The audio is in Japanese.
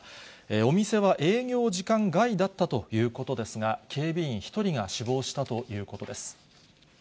お店は営業時間外だったということですが、警備員１人が死亡したということです。